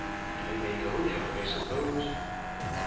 "I may go now, I suppose?"